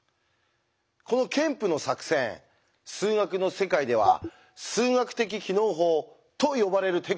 このケンプの作戦数学の世界では「数学的帰納法」と呼ばれるテクニックです。